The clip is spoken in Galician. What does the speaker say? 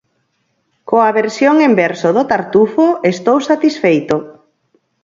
Coa versión en verso do Tartufo estou satisfeito.